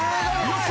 よし。